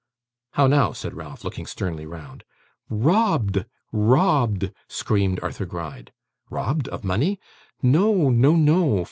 'How now?' said Ralph, looking sternly round. 'Robbed! robbed!' screamed Arthur Gride. 'Robbed! of money?' 'No, no, no.